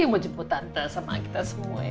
yang mau jemput tante sama kita semua ya kan